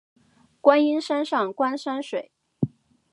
观音山上观山水